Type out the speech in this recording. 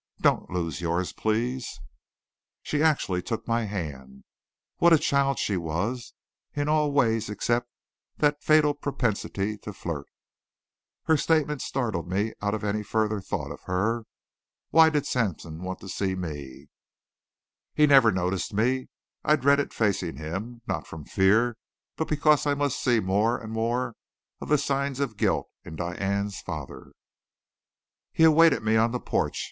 Don't lose yours, please." She actually took my hand. What a child she was, in all ways except that fatal propensity to flirt. Her statement startled me out of any further thought of her. Why did Sampson want to see me? He never noticed me. I dreaded facing him not from fear, but because I must see more and more of the signs of guilt in Diane's father. He awaited me on the porch.